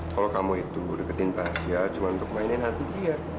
kalau kamu itu deketin tas ya cuma untuk mainin hati dia